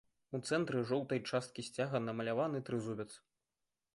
У цэнтры жоўтай часткі сцяга намаляваны трызубец.